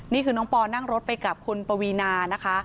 นี่คือน้องปอนั่งรถไปกับคุณปวีนานะคะ